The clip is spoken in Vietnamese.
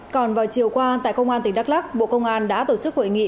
còn vào chiều qua tại công an tỉnh đắk lắc bộ công an đã tổ chức hội nghị